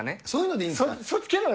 そういうのでいいんですか？